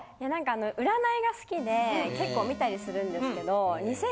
何か占いが好きで結構見たりするんですけど。